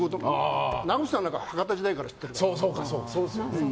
長渕さんなんて博多時代から知ってるから。